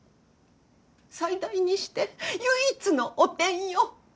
最大にして唯一の汚点よ。